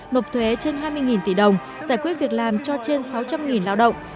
nộp thuế trên hai mươi tỷ đồng giải quyết việc làm cho trên sáu trăm linh lao động